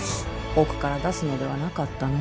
奥から出すのではなかったの。